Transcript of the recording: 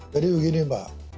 jadi begini mbak